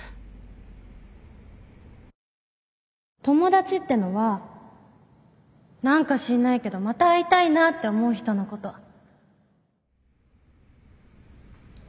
友達ってのは何か知んないけどまた会いたいなって思う人のこと